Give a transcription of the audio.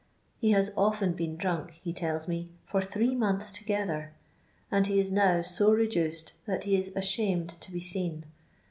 ' He Has often been drank, he tells me, fir three months together; and he Is now so reduced that he is ashamed' to be seen.